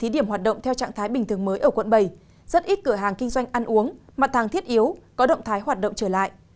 điểm hoạt động theo trạng thái bình thường mới ở quận bảy rất ít cửa hàng kinh doanh ăn uống mặt hàng thiết yếu có động thái hoạt động trở lại